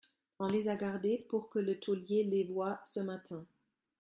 On les a gardés pour que le taulier les voie ce matin.